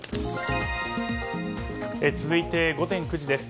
続いて午前９時です。